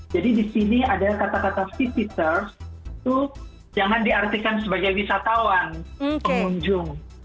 di sini ada kata kata feepiter itu jangan diartikan sebagai wisatawan pengunjung